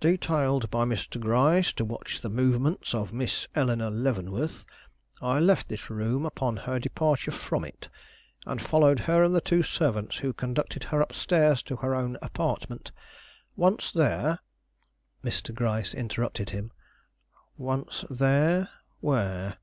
"Detailed by Mr. Gryce to watch the movements of Miss Eleanore Leavenworth, I left this room upon her departure from it, and followed her and the two servants who conducted her up stairs to her own apartment. Once there " Mr. Gryce interrupted him. "Once there? where?"